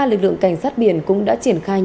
lực lượng cảnh sát biển cũng đã triển khai